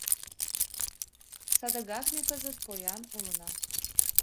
Садыгак ме кызыт поян улына.